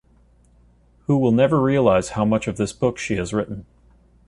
Who will never realize how much of this book she has written.